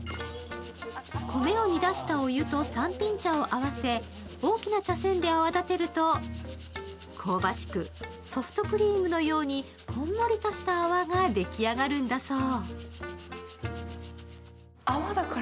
米を煮出したお湯とさんぴん茶を合わせ大きな茶せんで泡立てると香ばしく、ソフトクリームのようにこんもりとした泡が出来上がるんだそう。